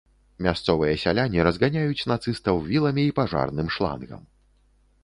Мясцовыя сяляне разганяюць нацыстаў віламі і пажарным шлангам.